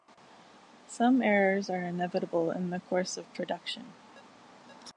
Some errors are inevitable in the course of production.